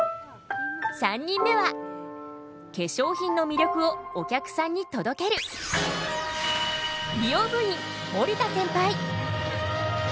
３人目は化粧品の魅力をお客さんに届ける美容部員守田センパイ。